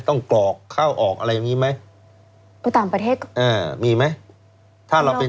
กรอกเข้าออกอะไรอย่างงี้ไหมก็ต่างประเทศก็อ่ามีไหมถ้าเราเป็น